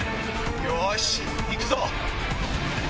よし行くぞ！